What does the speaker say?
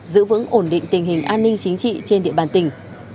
giữ vững ổn định tình hình an ninh chính trị trên địa bàn tỉnh